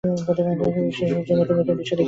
প্রতি পদক্ষেপে সে সূর্যের নূতন নূতন দৃশ্য দেখিবে।